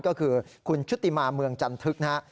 ก็คือคุณชุติมาเมืองจันทึกนะฮะ